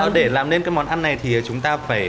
chúng ta phải làm cái món ăn này thì chúng ta phải